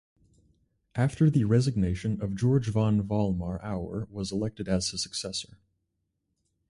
After the resignation of Georg von Vollmar Auer was elected as his successor.